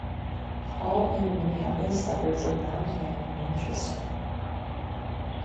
Paul in the Minneapolis suburbs of Mound and Minnetrista.